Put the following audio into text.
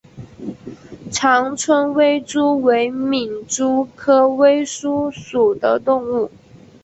长春微蛛为皿蛛科微蛛属的动物。